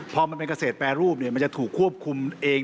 พอมันเป็นเกษตรแปรรูปมันจะถูกควบคุมเอง